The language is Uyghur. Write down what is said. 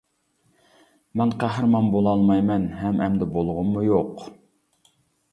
مەن قەھرىمان بولالمايمەن ھەم ئەمدى بولغۇممۇ يوق.